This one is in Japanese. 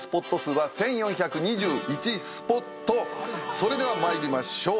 それでは参りましょう。